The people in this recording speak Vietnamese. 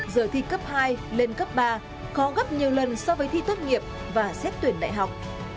giờ thi cấp hai lên cấp ba khó gấp nhiều lần so với thi tốt nghiệp và xét tuyển đại học